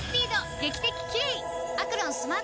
劇的キレイ！